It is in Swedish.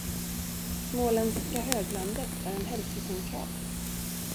Småländska höglandet är en hälsocentral.